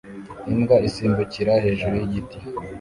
Imbwa isimbukira hejuru y'igiti